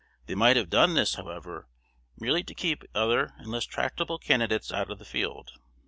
They might have done this, however, merely to keep other and less tractable candidates out of the field.